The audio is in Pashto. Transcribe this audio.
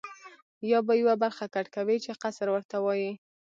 یا به یوه برخه کټ کوې چې قصر ورته وایي.